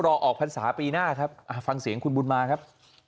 ออกพรรษาปีหน้าครับฟังเสียงคุณบุญมาครับ